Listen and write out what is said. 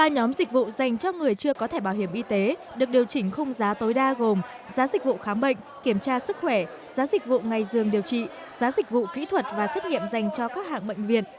ba nhóm dịch vụ dành cho người chưa có thẻ bảo hiểm y tế được điều chỉnh khung giá tối đa gồm giá dịch vụ khám bệnh kiểm tra sức khỏe giá dịch vụ ngày dường điều trị giá dịch vụ kỹ thuật và xét nghiệm dành cho các hạng bệnh viện